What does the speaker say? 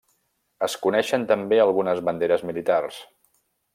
Es coneixen també algunes banderes militars.